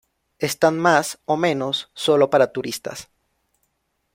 Están más o menos solo para turistas.